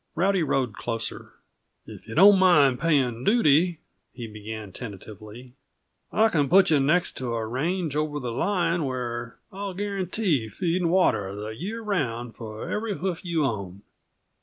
Rowdy rode closer. "If you don't mind paying duty," he began tentatively, "I can put you next to a range over the line, where I'll guarantee feed and water the year round for every hoof you own."